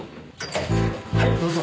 はいどうぞ。